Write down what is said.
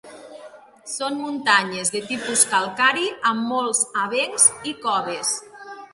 Són muntanyes de tipus calcari amb molts avencs i coves.